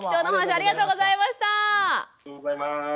ありがとうございます。